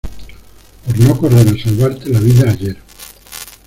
por no correr a salvarte la vida ayer.